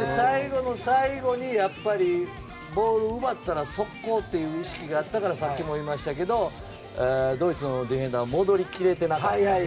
で、最後の最後に、やっぱりボールを奪ったら速攻という意識があったからドイツのディフェンダー戻り切れてなかった。